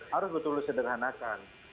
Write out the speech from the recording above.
harus betul betul disederhanakan